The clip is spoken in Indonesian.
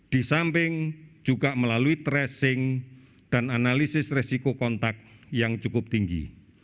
di samping juga melalui tracing dan analisis resiko kontak yang cukup tinggi